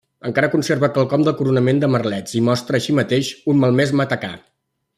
Encara conserva quelcom del coronament de merlets i mostra, així mateix, un malmès matacà.